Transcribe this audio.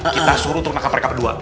kita suruh untuk menangkap mereka kedua